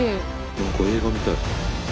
何か映画みたい。